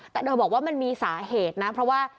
แต่เธอบอกว่ามันมีสาเหตุนะเพราะว่า